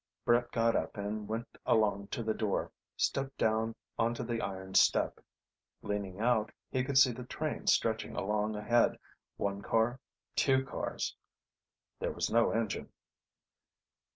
Brett got up and went along to the door, stepped down onto the iron step. Leaning out, he could see the train stretching along ahead, one car, two cars There was no engine.